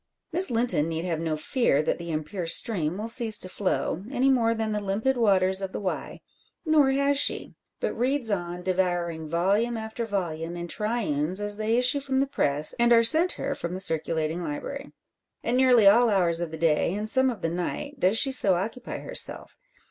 Miss Linton need have no fear that the impure stream will cease to flow, any more than the limpid waters of the Wye. Nor has she; but reads on, devouring volume after volume, in triunes as they issue from the press, and are sent her from the Circulating Library. At nearly all hours of the day, and some of the night, does she so occupy herself.